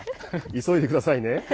急いでくださいね。